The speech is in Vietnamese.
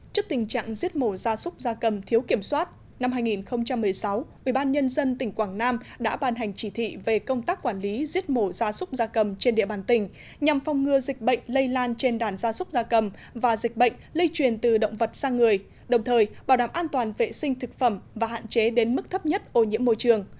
trước tình trạng giết mổ da súc da cầm thiếu kiểm soát năm hai nghìn một mươi sáu ubnd tỉnh quảng nam đã bàn hành chỉ thị về công tác quản lý giết mổ da súc da cầm trên địa bàn tỉnh nhằm phong ngừa dịch bệnh lây lan trên đàn da súc da cầm và dịch bệnh lây truyền từ động vật sang người đồng thời bảo đảm an toàn vệ sinh thực phẩm và hạn chế đến mức thấp nhất ô nhiễm môi trường